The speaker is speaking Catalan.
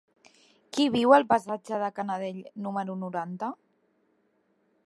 Qui viu al passatge de Canadell número noranta?